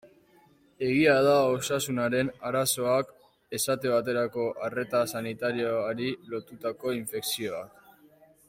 Egia da osasun arazoak, esate baterako arreta sanitarioari lotutako infekzioak.